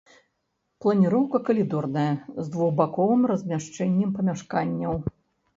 Планіроўка калідорная з двухбаковым размяшчэннем памяшканняў.